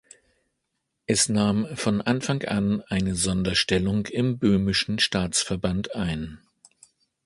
Es nahm von Anfang an eine Sonderstellung im böhmischen Staatsverband ein.